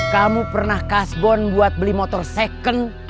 kamu pernah kasbon buat beli motor second